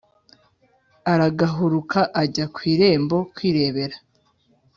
Aragahuruka ajya ku irembo kwirebera